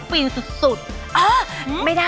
ปรีนสุด